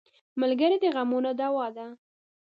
ملګری د غمونو دوا ده.